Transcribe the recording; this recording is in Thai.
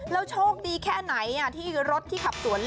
โชคดีแค่ไหนที่รถที่ขับสวน